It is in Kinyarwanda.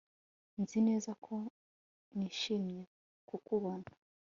Nzi neza ko nishimiye kukubona